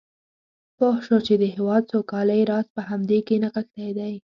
پوه شو چې د هېواد سوکالۍ راز په همدې کې نغښتی دی.